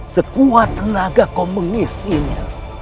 sekuat tenaga kau mengisinya